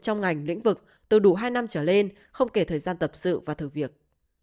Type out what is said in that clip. trong ngành lĩnh vực từ đủ hai năm trở lên không kể thời gian tập sự và thử việc